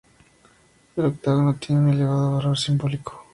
El octágono tiene un elevado “valor simbólico“.